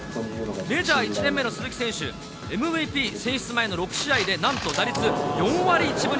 メジャー１年目の鈴木選手、ＭＶＰ選出前の６試合でなんと打率４割１分２厘。